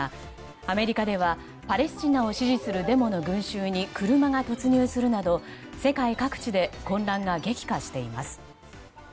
アメリカでは、パレスチナを支持するデモの群衆に車が突入するなど世界各地で混乱が激化しています。